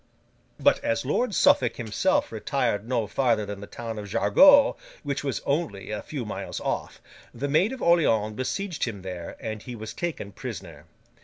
But as Lord Suffolk himself retired no farther than the town of Jargeau, which was only a few miles off, the Maid of Orleans besieged him there, and he was taken prisoner.